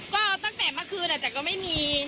ก็ตั้งแต่เมื่อคืนแต่ก็ไม่มี